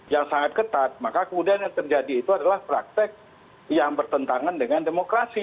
yang sangat ketat maka kemudian yang terjadi itu adalah praktek yang bertentangan dengan demokrasi